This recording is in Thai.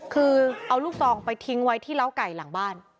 คือเอาลูกซองไปทิ้งไว้ที่เล้าไก่หลังบ้าน